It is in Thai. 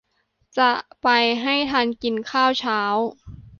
จะไปให้ทันกินข้าวเช้า